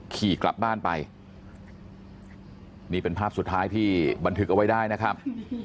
ขี่กลับบ้านไปนี่เป็นภาพสุดท้ายที่บันทึกเอาไว้ได้นะครับ